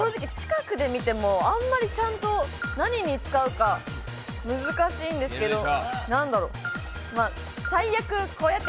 近くで見ても、あんまりちゃんと何に使うか難しいんですけど、何だろう？